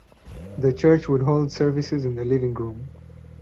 The church would hold services in the living room.